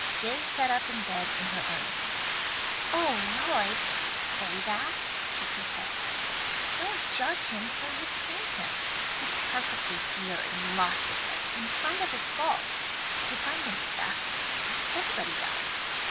Gay sat up in bed in her earnestness. "Oh Lloyd, don't say that!" she protested. "Don't judge him till you've seen him. He's perfectly dear in lots of ways, in spite of his faults. You'll find him fascinating. Everybody does.